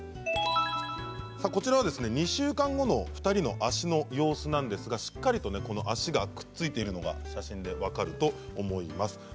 こちらは２週間後の２人の足の様子なんですがしっかりと足がくっついているのが、写真で分かると思います。